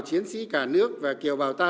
chiến sĩ cả nước và kiều bào ta